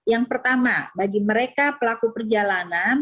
yang pertama bagi mereka pelaku perjalanan